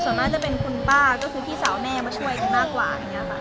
ส่วนมากจะเป็นคุณป้าก็คือพี่สาวแม่มาช่วยกันมากกว่า